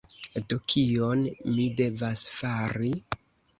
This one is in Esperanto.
Do, kion mi devas fari?